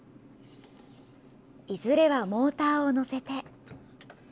いずれはモーターを乗せて。